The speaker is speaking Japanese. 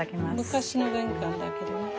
昔の玄関だけどね。